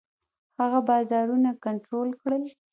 هغه بازارونه کنټرول کړل.